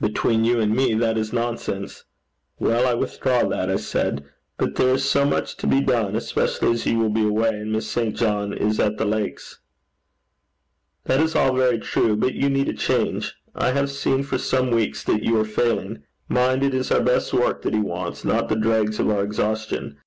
'Between you and me that is nonsense.' 'Well, I withdraw that,' I said. 'But there is so much to be done, specially as you will be away, and Miss St John is at the Lakes.' 'That is all very true; but you need a change. I have seen for some weeks that you are failing. Mind, it is our best work that He wants, not the dregs of our exhaustion.